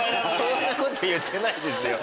そんなこと言ってないですよ。